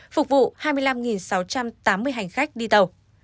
phục vụ hai mươi năm sáu trăm tám mươi hành khách đi tàu